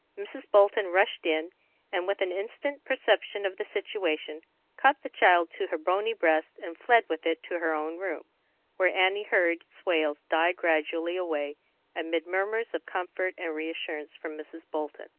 Mrs. Bolton rushed in, and with an instant perception of the situation, caught the child to her bony breast, and fled with it to her own room, where Annie heard its wails die gradually away amid murmurs of comfort and reassurance from Mrs. Bolton.